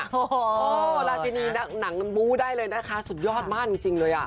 โอ้โหราชินีหนังบู้ได้เลยนะคะสุดยอดมากจริงเลยอ่ะ